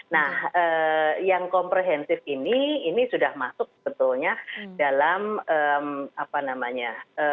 nah yang komprehensif ini ini sudah masuk sebetulnya dalam apa namanya